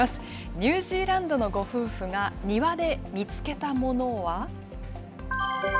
ニュージーランドのご夫婦が庭で見つけたものは？